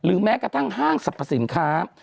แม้กระทั่งห้างสรรพสินค้า